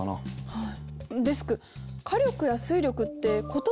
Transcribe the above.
はい。